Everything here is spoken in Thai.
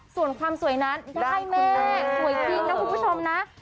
ส่วนความสวยนั้นให้แม่สวยจริงนะคะ